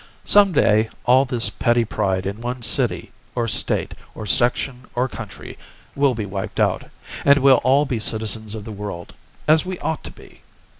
Some day all this petty pride in one's city or State or section or country will be wiped out, and we'll all be citizens of the world, as we ought to be."